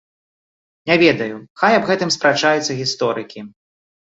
Не ведаю, хай аб гэтым спрачаюцца гісторыкі.